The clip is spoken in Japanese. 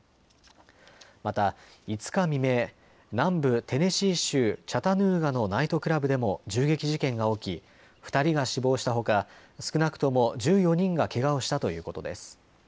また５日未明、南部テネシー州チャタヌーガのナイトクラブでも銃撃事件が起き２人が死亡したほか少なくとも１４人がけがをしたということです。